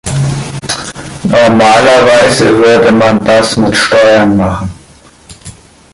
Normalerweise würde man das mit Steuern machen.